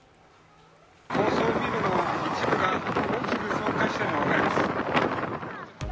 高層ビルの一部が大きく損壊しているのが分かります。